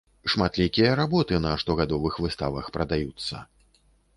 Шматлікія работы на штогадовых выставах прадаюцца.